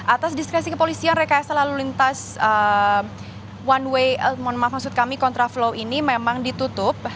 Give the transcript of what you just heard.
atas diskresi kepolisian rekayasa lalu lintas one way maksud kami kontra flow ini memang ditutup